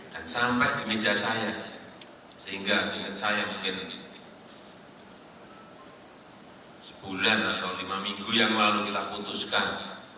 dan sampai di meja saya sehingga saya mungkin sebulan atau lima minggu yang lalu kita putuskan